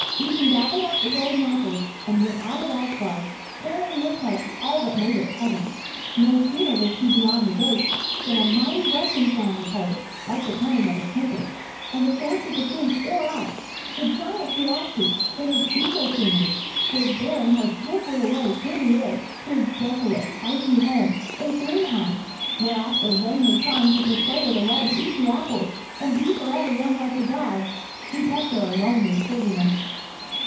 Idun gathered up the golden Apples and went out of Asgard, carrying with her all that made it heaven. No sooner was she beyond the gates than a mighty rushing sound was heard, like the coming of a tempest, and before she could think or act, the giant Thjasse, in his eagle plumage, was bearing her swiftly away through the air to his desolate, icy home in Thrymheim, where, after vainly trying to persuade her to let him eat the Apples and be forever young like the gods, he kept her a lonely prisoner.